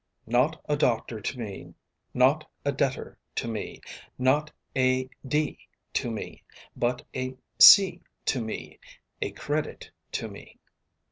Not a doctor to me not a debtor to me not a d to me but a c to me a credit to me.